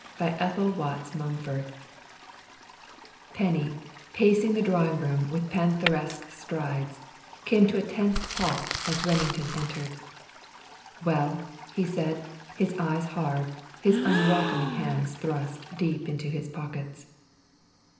BY ETHEL WATTS MUMFORD Penny, pacing the drawing room with pantheresque strides, came to a tense halt as Remington entered. "Well?" he said, his eyes hard, his unwelcoming hands thrust deep into his pockets.